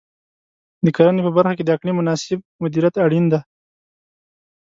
د کرنې په برخه کې د اقلیم مناسب مدیریت اړین دی.